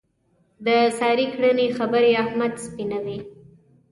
د سارې کړنې خبرې احمد سپینوي.